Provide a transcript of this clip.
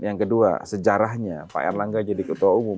yang kedua sejarahnya pak erlangga jadi ketua umum